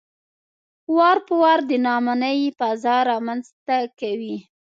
وار په وار د ناامنۍ فضا رامنځته کوي.